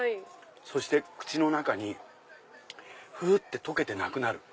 そして口の中にふって溶けてなくなる。